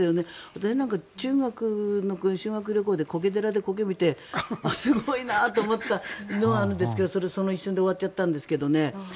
私なんか、中学の時修学旅行で苔寺でコケを見て、すごいなと思ったのがあるんですがその一瞬で終わっちゃったんですけど